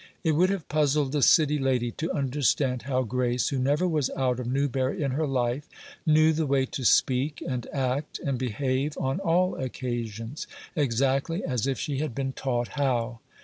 It would have puzzled a city lady to understand how Grace, who never was out of Newbury in her life, knew the way to speak, and act, and behave, on all occasions, exactly as if she had been taught how.